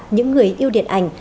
những người yêu điện ảnh